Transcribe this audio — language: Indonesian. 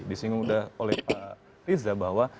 disinggung oleh pak riza bahwa